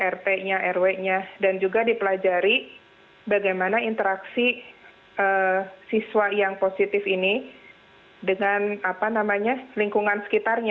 rt nya rw nya dan juga dipelajari bagaimana interaksi siswa yang positif ini dengan lingkungan sekitarnya